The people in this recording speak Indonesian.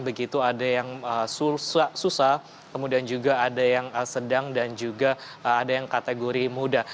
begitu ada yang susah kemudian juga ada yang sedang dan juga ada yang kategori muda